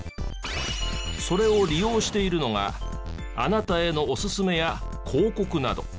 それを利用しているのが「あなたへのおすすめ」や広告など。